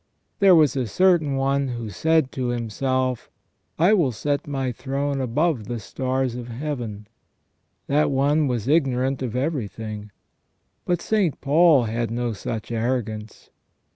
There was a certain one who said to himself :' I will set my throne above the stars of heaven '. That one was ignorant of everything. But St. Paul had no such arrogance.